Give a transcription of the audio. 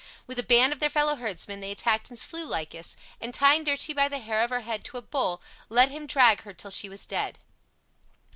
With a band of their fellow herdsmen they attacked and slew Lycus, and tying Dirce by the hair of her head to a bull, let him drag her till she was dead.